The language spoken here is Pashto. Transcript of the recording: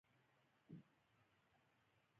د کمزوري لیدلو سره توهین پیل کېږي.